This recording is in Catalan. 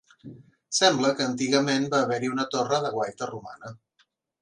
Sembla que antigament va haver-hi una torre de guaita romana.